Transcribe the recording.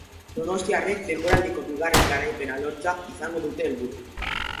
Donostiarrek denboraldiko bigarren garaipena lortzea izango dute helburu.